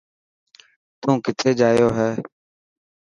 تون ڪٿي جايو هي.